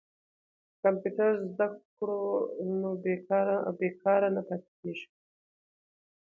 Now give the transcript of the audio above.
که کمپیوټر زده کړو نو بې کاره نه پاتې کیږو.